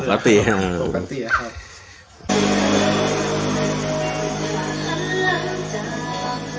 ปกติครับ